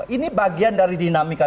ini bagian dari dinamika